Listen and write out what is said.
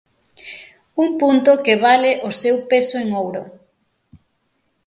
Un punto que vale o seu peso en ouro.